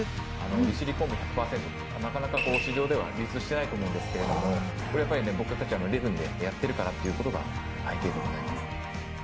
利尻昆布１００％ってなかなか市場では流通してないと思うんですけれどもこれはやっぱり僕たち礼文でやってるからっていうことが背景でございます。